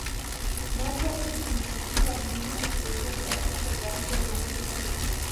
ناڅاپي جینټیکي بدلونونو د ژبې او فکر وړتیاوې لوړې کړې.